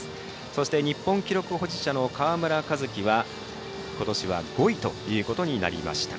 そして日本記録保持者の河村一輝はことしは５位となりました。